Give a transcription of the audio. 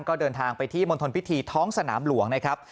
ก็เดินทางไปที่มณฑลพิธีท้องสนามหลวงนะครับ